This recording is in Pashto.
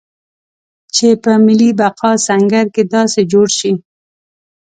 چې په ملي بقا سنګر کې داسې جوړ شي.